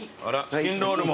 チキンロールも。